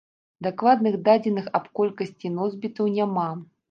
Дакладных дадзеных аб колькасці носьбітаў няма.